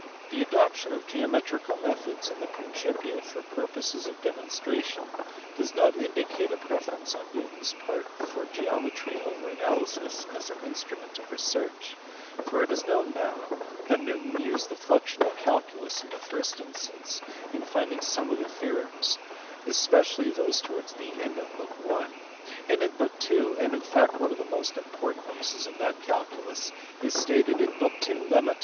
The adoption of geometrical methods in the Principia for purposes of demonstration does not indicate a preference on Newton s part for geometry over analysis as an instrument / of research, for it is known now that Newton used the fluxioriaf^ calculus in the first instance in finding some of the theorems, especially those towards the end of book I. and in book n. ; and in fact one of the most important uses of that calculus is stated in book n., lemma 2.